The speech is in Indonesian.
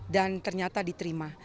dan ternyata diterima